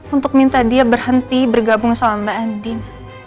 untuk minta dia berhenti bergabung sama mbak andi